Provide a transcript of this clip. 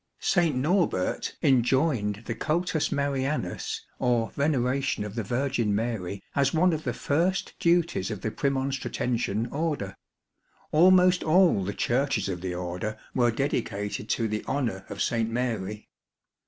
St. Norbert enjoined the "cultus Marianus " or veneration of the Virgin Mary as one of the first duties of the Premonstratensian order. Almost all the Churches of the Order were dedicated to the honour of St. Mary.